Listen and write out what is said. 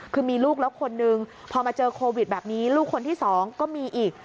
คือมีลูกแล้วคนนึงพอมาเจอโควิดแบบนี้ลูกคนที่สองก็มีอีก